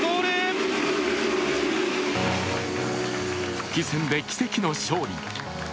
復帰戦で奇跡の勝利。